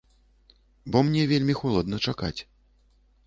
Бо мне вельмі холадна чакаць.